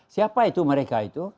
siapa itu mereka itu